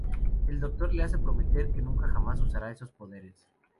El Doctor le hace prometer que nunca jamás usará esos poderes.